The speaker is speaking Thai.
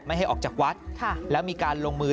ให้ออกจากวัดแล้วมีการลงมือ